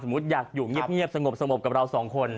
อยากอยู่เงียบสงบกับเราสองคน